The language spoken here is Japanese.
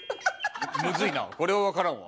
むずいなこれは分からんわ